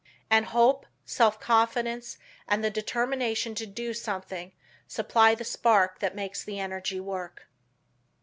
And hope, self confidence and the determination to do something supply the spark that makes the energy work.